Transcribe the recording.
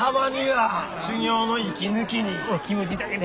お気持ちだけで。